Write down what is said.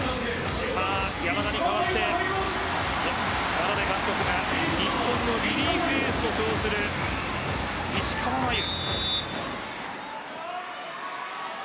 山田に代わって眞鍋監督が日本のリリーフエースと評する石川真佑。